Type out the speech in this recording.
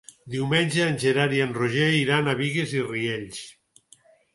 Diumenge en Gerard i en Roger iran a Bigues i Riells.